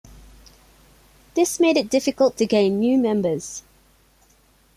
This made it difficult to gain new members.